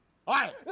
はい。